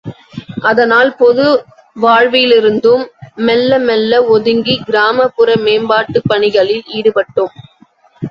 அதனால் பொது வாழ்விலிருந்தும் மெள்ள மெள்ள ஒதுங்கிக் கிராமப்புற மேம்பாட்டு பணிகளில் ஈடுபட்டோம்.